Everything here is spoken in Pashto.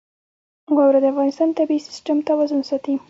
واوره د افغانستان د طبعي سیسټم توازن ساتي.